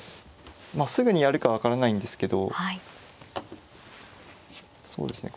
すぐにやるか分からないんですけどそうですね